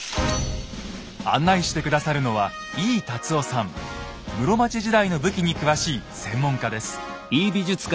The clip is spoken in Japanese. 案内して下さるのは室町時代の武器に詳しい専門家です。